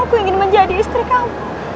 aku ingin menjadi istri kamu